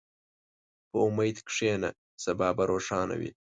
په امید کښېنه، سبا به روښانه وي.